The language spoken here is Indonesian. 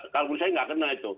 kalau menurut saya nggak kena itu